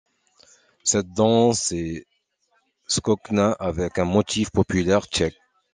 Cette danse est scočná avec un motif populaire tchèque.